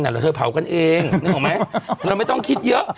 เดี๋ยวเธอเผากันเองนึกออกไหมเราไม่ต้องคิดเยอะ